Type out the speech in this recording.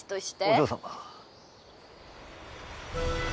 お嬢様。